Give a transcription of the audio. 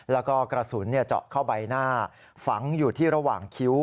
แล้วก็กระสุนเจาะเข้าใบหน้าฝังอยู่ที่ระหว่างคิ้ว